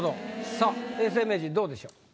さあ永世名人どうでしょう？